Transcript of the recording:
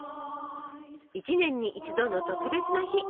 一年に一度の特別な日！